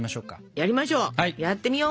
やりましょう。